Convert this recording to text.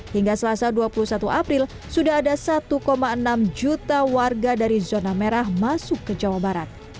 hingga selasa dua puluh satu april sudah ada satu enam juta warga dari zona merah masuk ke jawa barat